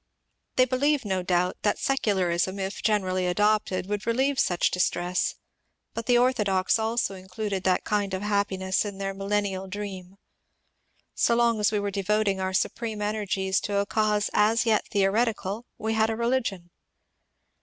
They believed no doubt that secularism if generally adopted would relieve such dis tress, but the orthodox also included that kind of happiness in their millennial dream. So long as we were devoting our supreme energies to a cause as yet theoretical we had a religion.